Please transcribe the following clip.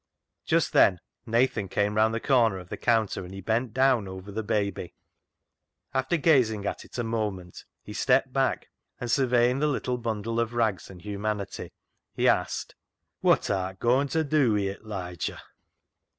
Just then Nathan came round the corner of the counter, and bent down over the baby. ii6 CLOG SHOP CHRONICLES After gazing at it a moment he stepped back, and surveying the Httle bundle of rags and humanity, he asked —" Wot art goin' ta dew wi' it, Liger